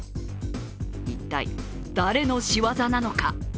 一体、誰のしわざなのか。